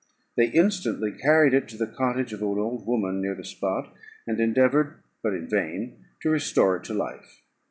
They instantly carried it to the cottage of an old woman near the spot, and endeavoured, but in vain, to restore it to life.